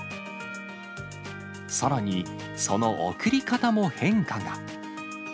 さらに、その贈り方も変化が。